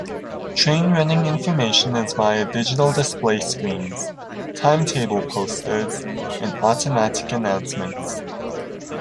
Train running information is via digital display screens, timetable posters and automatic announcements.